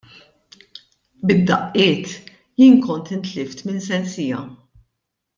Bid-daqqiet, jien kont intlift minn sensija.